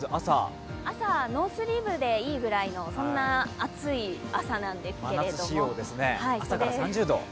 朝、ノースリーブでいいぐらいの暑い朝なんですけれども。